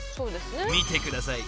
［見てください